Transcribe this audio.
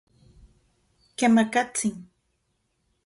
Kemakatsin.